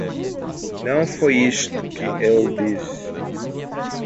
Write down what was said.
Não foi isto que ele disse.